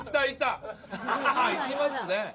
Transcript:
いきますね。